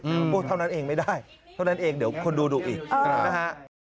บอกว่าเท่านั้นเองไม่ได้เท่านั้นเองเดี๋ยวคนดูอีกนะครับ